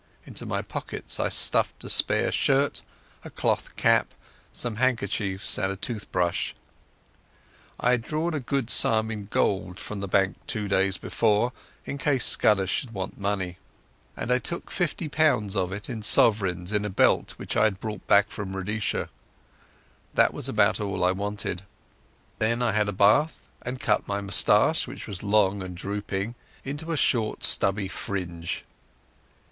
Into my pockets I stuffed a spare shirt, a cloth cap, some handkerchiefs, and a tooth brush. I had drawn a good sum in gold from the bank two days before, in case Scudder should want money, and I took fifty pounds of it in sovereigns in a belt which I had brought back from Rhodesia. That was about all I wanted. Then I had a bath, and cut my moustache, which was long and drooping, into a short stubbly fringe.